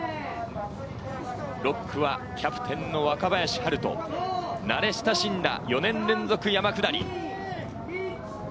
６区はキャプテンの若林陽大、慣れ親しんだ４年連続山下り。